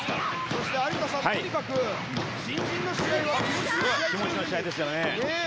そして有田さんとにかく新人の試合は気持ちの試合。